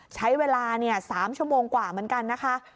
ใช้เวลา๓ชั่วโมงกว่าเหมือนกันนะคะ